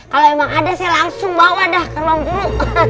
kalau emang ada saya langsung bawa dah ke ruang guru